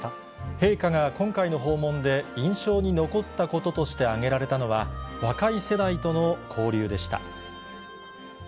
陛下が今回の訪問で印象に残ったこととして挙げられたのは、若い世代との交流でした。